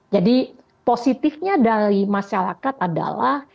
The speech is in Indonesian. jadi positifnya dari masyarakat adalah